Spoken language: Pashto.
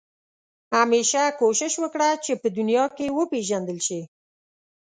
همېشه کوښښ وکړه چې په دنیا کې وپېژندل شې.